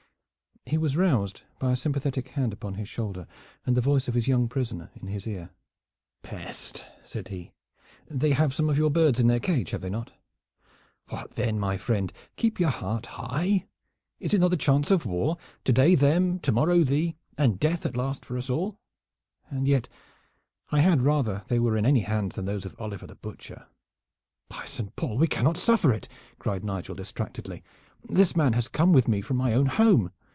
He was roused by a sympathetic hand upon his shoulder and the voice of his young prisoner in his ear. "Peste!" said he. "They have some of your birds in their cage, have they not? What then, my friend? Keep your heart high! Is it not the chance of war, to day to them, to morrow to thee, and death at last for us all? And yet I had rather they were in any hands than those of Oliver the Butcher." "By Saint Paul, we cannot suffer it!" cried Nigel distractedly. "This man has come with me from my own home.